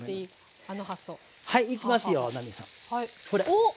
おっ。